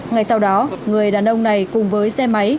ngay sau đó người đàn ông này cùng với xe máy